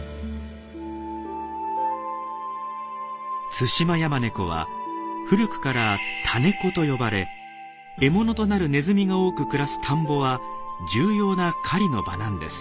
ツシマヤマネコは古くから「田ネコ」と呼ばれ獲物となるネズミが多く暮らす田んぼは重要な狩りの場なんです。